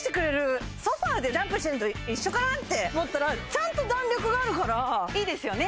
ソファでジャンプしてるのと一緒かなって思ったらちゃんと弾力があるからいいですよね